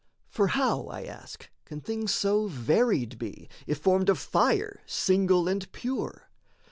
For how, I ask, can things so varied be, If formed of fire, single and pure?